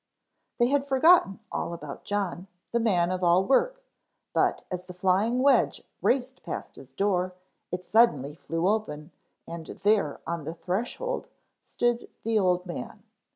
_ THEY had forgotten all about John, the man of all work, but as the flying wedge raced past his door it suddenly flew open and there on the threshold stood the old man.